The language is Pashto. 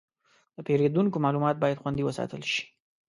د پیرودونکو معلومات باید خوندي وساتل شي.